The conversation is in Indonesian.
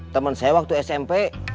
temen saya waktu smp